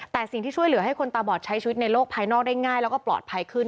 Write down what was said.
แต่สิ่งที่ช่วยเหลือให้คนตาบอดใช้ชีวิตในโลกภายนอกได้ง่ายแล้วก็ปลอดภัยขึ้น